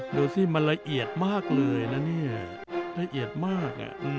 ดูสิมันละเอียดมากเลยนะเนี่ยละเอียดมาก